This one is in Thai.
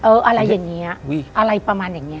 อะไรอย่างนี้อะไรประมาณอย่างนี้